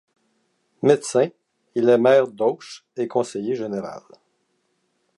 Médecin, il est maire d'Auch et conseiller général.